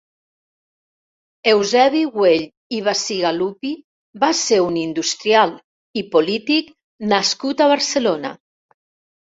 Eusebi Güell i Bacigalupi va ser un industrial i polític nascut a Barcelona.